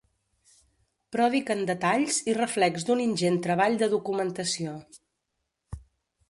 Pròdig en detalls i reflex d'un ingent treball de documentació.